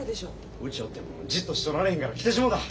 うちおってもじっとしとられへんから来てしもうた。